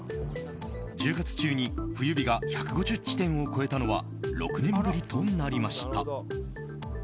１０月中に冬日が１５０地点を超えたのは６年ぶりとなりました。